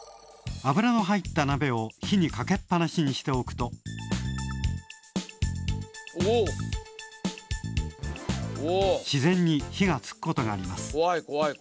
油の入ったなべを火にかけっぱなしにしておくと自然に火がつくことがあります。